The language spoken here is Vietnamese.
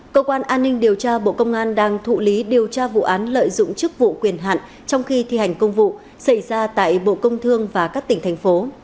cơ quan an ninh điều tra bộ công an đang thụ lý điều tra vụ án lợi dụng chức vụ quyền hạn trong khi thi hành công vụ xảy ra tại bộ công thương và các tỉnh thành phố